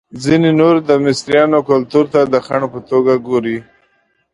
ځینې نور د مصریانو کلتور ته د خنډ په توګه ګوري.